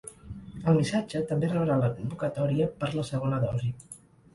Al missatge també rebrà la convocatòria per la segona dosi.